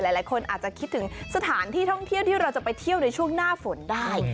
หลายคนอาจจะคิดถึงสถานที่ท่องเที่ยวที่เราจะไปเที่ยวในช่วงหน้าฝนได้